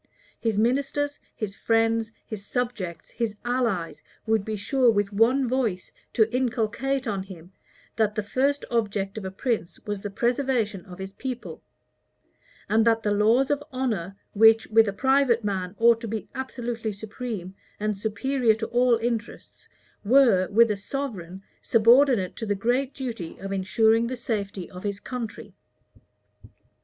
His ministers, his friends, his subjects, his allies, would be sure with one voice to inculcate on him, that the first object of a prince was the preservation of his people; and that the laws of honor, which, with a private man, ought to be absolutely supreme, and superior to all interests, were, with a sovereign, subordinate to the great duty of insuring the safety of his country.